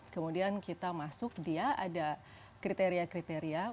kemudian kita masuk dia ada kriteria kriteria